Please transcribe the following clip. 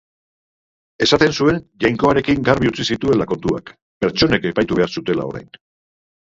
Esaten zuen Jainkoarekin garbi utzi zituela kontuak, pertsonek epaitu behar zutela orain.